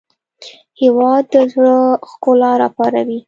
هېواد د زړه ښکلا راپاروي.